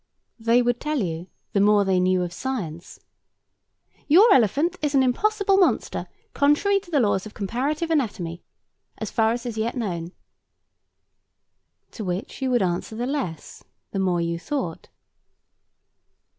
They would tell you, the more they knew of science, "Your elephant is an impossible monster, contrary to the laws of comparative anatomy, as far as yet known." To which you would answer the less, the more you thought.